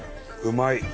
うまい！